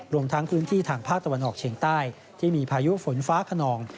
รวมทั้งพื้นที่ทางภาคตะวันออกเฉียงใต้ที่มีพายุฝนฟ้าขนอง